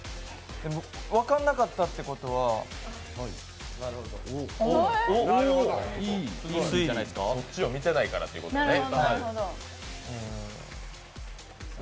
分かんなかったっていうことはそっちを見てないからってことね。